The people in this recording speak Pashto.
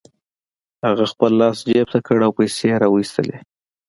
هغه خپل لاس جيب ته کړ او پيسې يې را و ايستې.